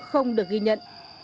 không được ghi nhận